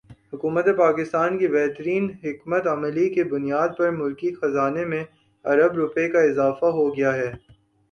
حکومت پاکستان کی بہترین حکمت عملی کی بنیاد پر ملکی خزانے میں ارب روپے کا اضافہ ہوگیا ہے